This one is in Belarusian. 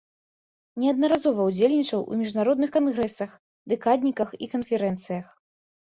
Неаднаразова ўдзельнічаў у міжнародных кангрэсах, дэкадніках і канферэнцыях.